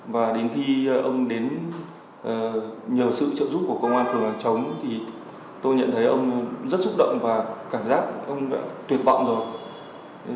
và đến khi ông đến nhờ sự trợ giúp của công an phường hàng chống thì tôi nhận thấy ông rất xúc động và cảm giác ông tuyệt vọng rồi